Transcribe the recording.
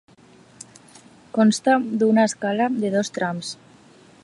Consta d'una escala de dos trams.